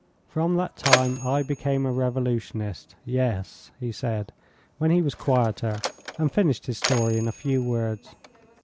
"From that time I became a revolutionist. Yes," he said, when he was quieter and finished his story in a few words.